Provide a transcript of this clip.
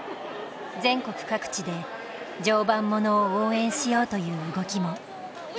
全国各地で常磐ものを応援しようという動きも広がっています。